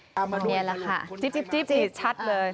มันแบบนี้แหละค่ะจิ๊บจิ๊บจิ๊บจิ๊บชัดเลย